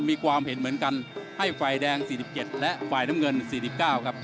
มีความเห็นเหมือนกันให้ฝ่ายแดง๔๗และฝ่ายน้ำเงิน๔๙ครับ